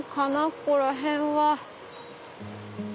ここら辺は。